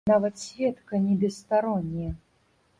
Нават сведка не бесстаронні.